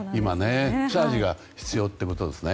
チャージが必要ってことですね。